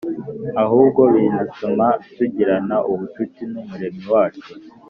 ahubwo binatuma tugirana ubucuti n’Umuremyi wacu